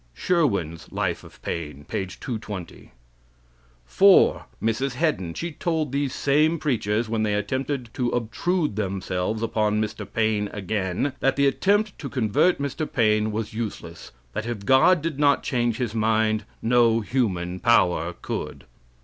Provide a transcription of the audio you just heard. Sherwin's Life of Paine, page 220. 4. Mrs. Hedden. She told these same preachers, when they attempted to obtrude themselves upon Mr. Paine again, that the attempt to convert Mr. Paine was useless; "that if God did not change his mind, no human power could."